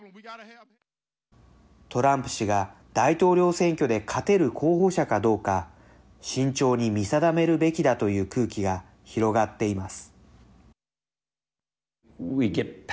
トランプ氏が大統領選挙で勝てる候補者かどうか慎重に見定めるべきだという空気が広がっています。